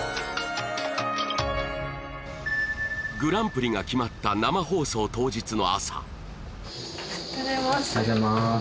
グランプリが決まった生放送当日の朝おはようございます